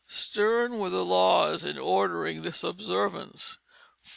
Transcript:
Stern were the laws in ordering this observance.